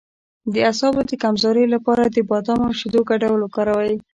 د اعصابو د کمزوری لپاره د بادام او شیدو ګډول وکاروئ